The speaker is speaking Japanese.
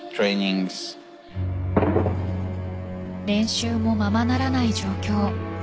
練習もままならない状況。